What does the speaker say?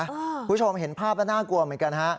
คุณผู้ชมเห็นภาพแล้วน่ากลัวเหมือนกันฮะ